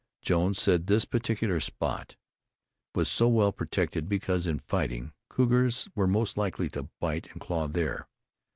Jones said this particular spot was so well protected because in fighting, cougars were most likely to bite and claw there.